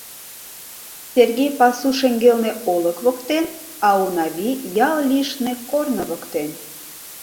Сергей — пасу шеҥгелне, олык воктен, а Унавий — ял лишне, корно воктен.